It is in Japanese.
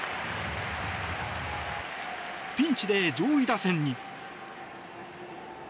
ピンチで上位打線に。